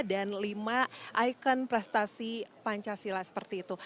dan lima ikon prestasi pancasila seperti itu